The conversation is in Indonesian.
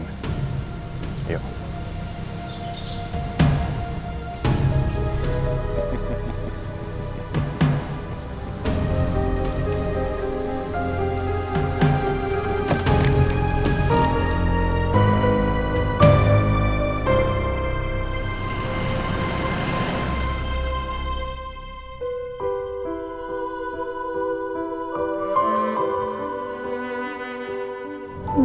sampai jumpa lagi